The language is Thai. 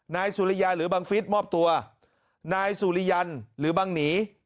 นายสุริยาหรือบังฟิศมอบตัวนายสุริยันหรือบังหนี